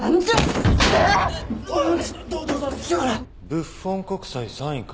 ブッフォン国際３位か。